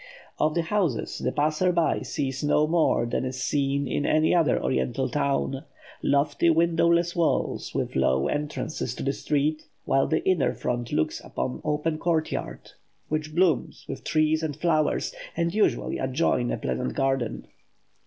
Of the houses the passer by sees no more than is seen in any other Oriental town: lofty windowless walls, with low entrances to the street, while the inner front looks upon open courtyards, which bloom with trees and flowers, and usually adjoin a pleasant garden.